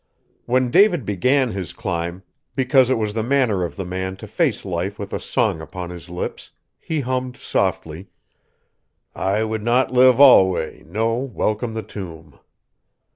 When David began his climb because it was the manner of the man to face life with a song upon his lips he hummed softly: "I would not live alway, No, welcome the tomb."